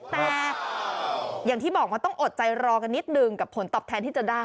แต่อย่างที่บอกว่าต้องอดใจรอกันนิดนึงกับผลตอบแทนที่จะได้